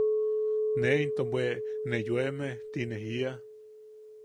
Ne into bwe “ne yoeme” ti ne jiia.